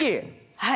はい。